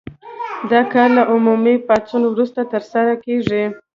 دا کار له عمومي پاڅون وروسته ترسره کیږي.